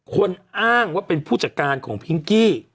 คนอ้างว่าเป็นผู้จัดการของพิงกี้